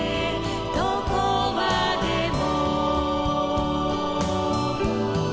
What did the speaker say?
「どこまでも」